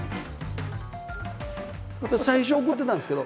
やっぱり最初は怒ってたんですけど。